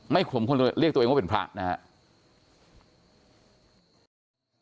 ไม่สมควรจะเรียกตัวเองว่าเป็นพระนะครับ